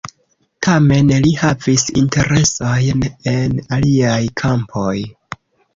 Tamen, li havis interesojn en aliaj kampoj.